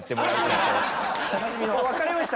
わかりました？